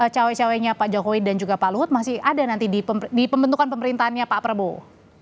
cawe cawe nya pak jokowi dan juga pak luhut masih ada nanti di pembentukan pemerintahnya pak prabowo